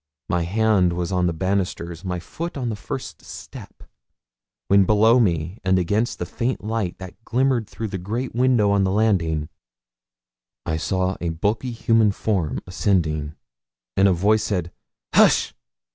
My hand was on the banisters, my foot on the first step, when below me and against the faint light that glimmered through the great window on the landing I saw a bulky human form ascending, and a voice said 'Hush!'